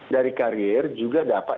dari karier juga dapat